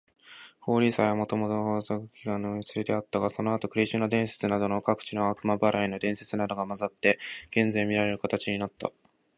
ホーリー祭はもともと豊作祈願の祭りであったが、その後クリシュナ伝説などの各地の悪魔払いの伝説などが混ざって、現在みられる形になった。